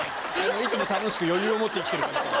いつも楽しく余裕を持って生きている感じ。